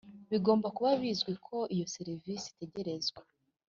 Bigomba kuba bizwi ko iyo serivisi itegerezwa